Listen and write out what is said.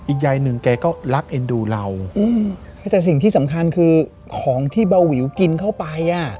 ยายหนึ่งแกก็รักเอ็นดูเราอืมแต่สิ่งที่สำคัญคือของที่เบาวิวกินเข้าไปอ่ะ